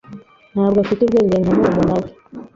Ntabwo afite ubwenge nka murumuna we.